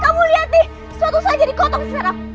kamu lihat nih suatu saat jadi kotong seserap